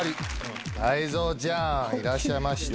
泰造ちゃんいらっしゃいました。